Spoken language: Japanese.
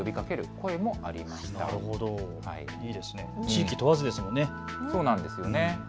地域問わずですもんね。